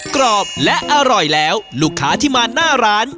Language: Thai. กรอบและอร่อยแล้วลูกค้าที่มาหน้าร้าน